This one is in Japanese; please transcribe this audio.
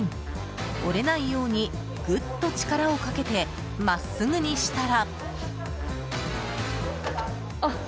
折れないようにグッと力をかけて真っすぐにしたら。